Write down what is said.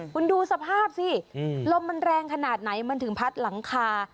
คุณดูสภาพสิลมมันแรงขนาดไหนมันถึงพัดหลังคา